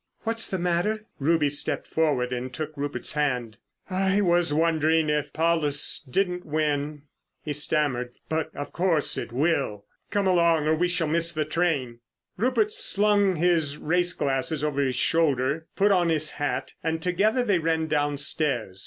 "What's the matter?" Ruby stepped forward and took Rupert's hand. "I was wondering, if Paulus didn't win?" he stammered. "But, of course it will. Come along, or we shall miss the train!" Rupert slung his race glasses over his shoulder, put on his hat, and together they ran downstairs.